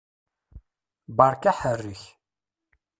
Beṛka aḥerrek!